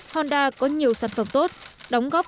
honda có nhiều sản phẩm tốt đóng góp